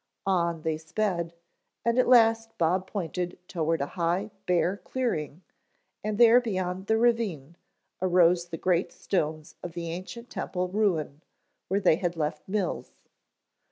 On they sped, and at last Bob pointed toward a high bare clearing and there beyond the ravine arose the great stones of the ancient temple ruin, where they had left Mills.